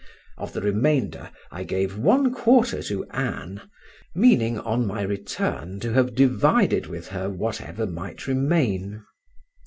Of the remainder I gave one quarter to Ann, meaning on my return to have divided with her whatever might remain.